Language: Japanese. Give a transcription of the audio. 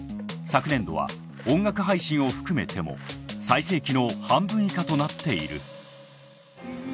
昨年度は音楽配信を含めても最盛期の半分以下となっている。